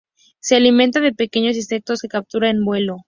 Se alimenta de pequeños insectos que captura en vuelo.